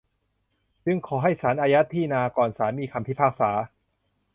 จึงขอให้ศาลอายัดที่นา ก่อนศาลมีคำพิพากษา